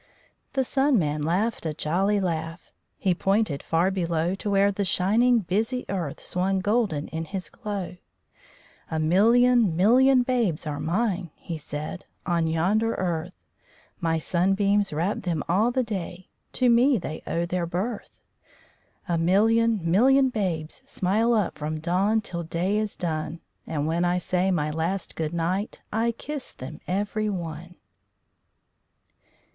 "_ The Sun Man laughed a jolly laugh. He pointed far below, To where the shining busy earth Swung golden in his glow. _"A million million babes are mine," He said, "on yonder earth; My sunbeams wrap them all the day, To me they owe their birth._ _"A million million babes smile up From dawn till day is done. And when I say my last good night I kiss them every one."